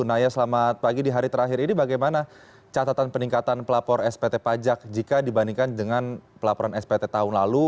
naya selamat pagi di hari terakhir ini bagaimana catatan peningkatan pelapor spt pajak jika dibandingkan dengan pelaporan spt tahun lalu